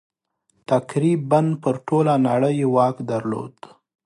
تقریباً پر ټوله نړۍ یې واک درلود.